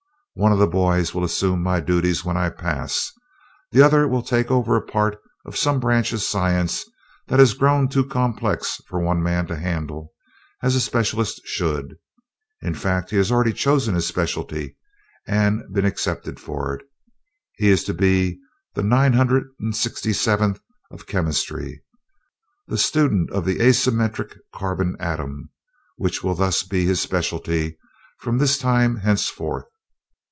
One of the boys will assume my duties when I pass; the other will take over a part of some branch of science that has grown too complex for one man to handle as a specialist should. In fact, he has already chosen his specialty and been accepted for it he is to be the nine hundred and sixty seventh of Chemistry, the student of the asymmetric carbon atom, which will thus be his specialty from this time henceforth.